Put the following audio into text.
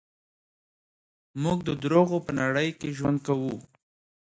موږ د دروغو په نړۍ کې ژوند کوو.